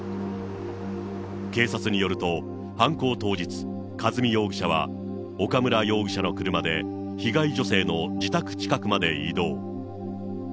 警察によると、犯行当日、和美容疑者は、岡村容疑者の車で被害女性の自宅近くまで移動。